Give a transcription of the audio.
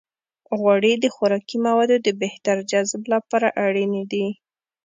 غوړې د خوراکي موادو د بهتر جذب لپاره اړینې دي.